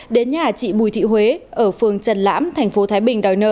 đến nhà chị bùi thị huế ở phường trần lãm thành phố thái bình đòi nợ